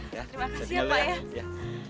terima kasih pak ya